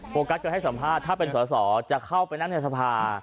กัสกันให้สัมภาษณ์ถ้าเป็นสอสอจะเข้าไปนั่งในสภา